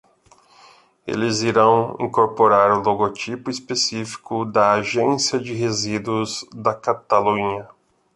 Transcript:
Eles irão incorporar o logotipo específico da Agência de Resíduos da Catalunha.